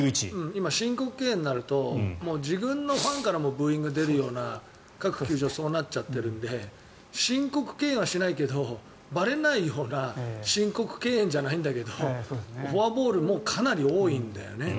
今、申告敬遠になると自分のファンからもブーイングが出るような各球場、そうなっちゃってるんで申告敬遠はしないけどばれないような申告敬遠じゃないんだけどフォアボールもかなり多いんだよね。